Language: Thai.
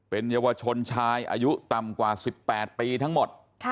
เป็นเยาวชนชายอายุต่ำกว่า๑๘ปีทั้งหมด